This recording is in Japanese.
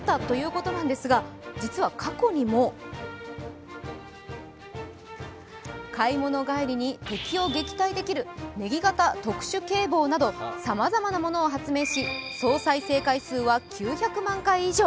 実は過去にも、買い物帰りに敵を撃退できるネギ型特殊警棒などさまざまなものを発明し、総再生回数は９００万回以上。